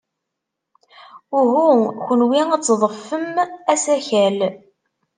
Uhu, kenwi ad teḍḍfem asakal.